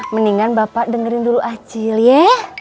mendingan bapak dengerin dulu acil ye